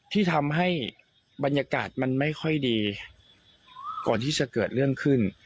ที่ทำให้บรรยากาศมันไม่ค่อยดีก่อนที่จะเกิดเรื่องขึ้น